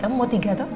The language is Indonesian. kamu mau tiga atau